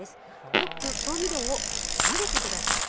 よく調味料を混ぜて下さい。